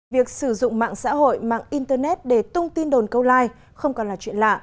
việc sử dụng mạng xã hội mạng internet để tung tin đồn câu like không còn là chuyện lạ